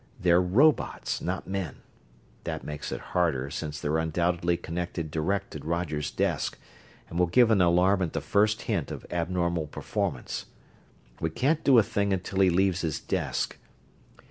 They're robots, not men. That makes it harder, since they're undoubtedly connected direct to Roger's desk, and will give an alarm at the first hint of abnormal performance. We can't do a thing until he leaves his desk.